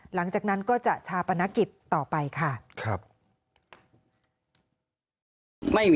หลังจากนั้นก็จะชาปนกิจต่อไปค่ะ